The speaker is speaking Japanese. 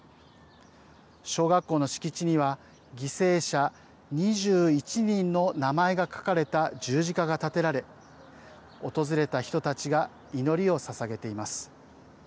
小学校の敷地には犠牲者２１人の名前が書かれた十字架が建てられ訪れた人たちが祈りをささげています。